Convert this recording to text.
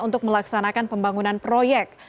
untuk melaksanakan pembangunan proyek